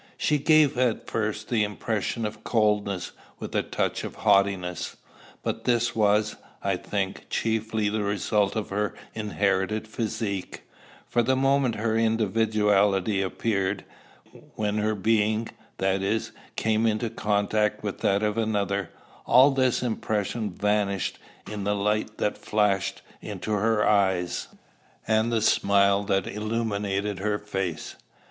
She gave at first the impression of coldness, with a touch of haughtiness. But this was, I think, chiefly the result of her inherited physique; for the moment her individuality appeared, when her being, that is, came into contact with that of another, all this impression vanished in the light that flashed into her eyes, and the smile that illumined her face.